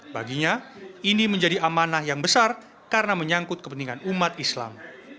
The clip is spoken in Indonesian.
baginya ini menjadi amanah yang besar karena menyangkut kepentingan umat islam